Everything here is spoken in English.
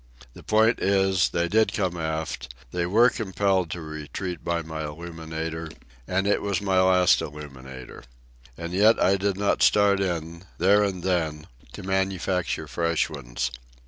The point is: they did come aft; they were compelled to retreat by my illuminator; and it was my last illuminator. And yet I did not start in, there and then, to manufacture fresh ones.